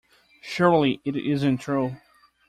Surely it isn't true?